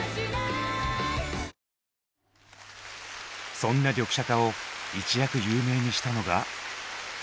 そんなリョクシャカを一躍有名にしたのが。